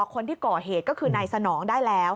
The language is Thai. คนที่ก่อเหตุก็คือนายสนองได้แล้ว